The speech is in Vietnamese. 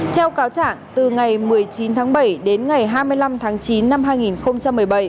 theo cáo trạng từ ngày một mươi chín tháng bảy đến ngày hai mươi năm tháng chín năm hai nghìn một mươi bảy